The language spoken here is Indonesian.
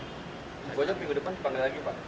pokoknya minggu depan dipanggil lagi pak